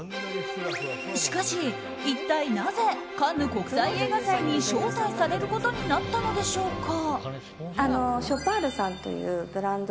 しかし、一体なぜカンヌ国際映画祭に招待されることになったのでしょうか。